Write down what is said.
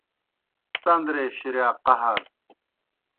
تندرے شِریا قہر